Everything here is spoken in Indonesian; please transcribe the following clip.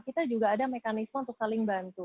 kita juga ada mekanisme untuk saling bantu